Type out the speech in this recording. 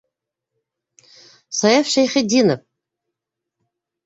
Саяф Шәйхетдинов.